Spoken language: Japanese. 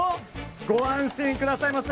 ご安心くださいませ。